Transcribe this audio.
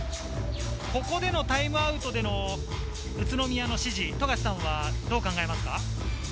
ここでのタイムアウトでの宇都宮の指示、どう考えますか？